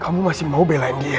kamu masih mau belain